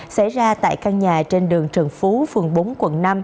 xảy ra tại căn nhà trên đường trần phú phường bốn quận năm